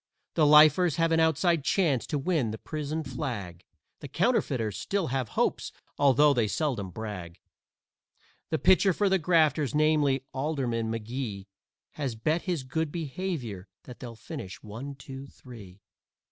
The Lifers have an outside chance to win the prison flag; The Counterfeiters still have hopes, although they seldom brag. The pitcher for the Grafters, namely, Alderman McGee, Has bet his good behavior that they'll finish one, two, three.